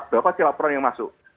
berapa celaporan yang masuk